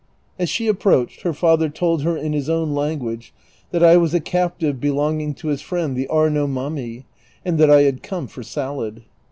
As she approached, her father told her in his own language that I was a captive belonging to his friend the Arnaut Mami, and that i had come for salad.